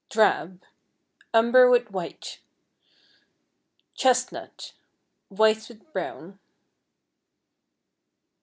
Drab, umber with white. Chestnut, white with brown.